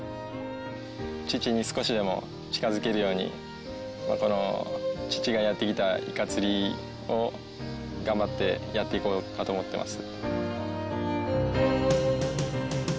父に少しでも近づけるようにこの父がやってきたイカ釣りを頑張ってやっていこうかと思ってます。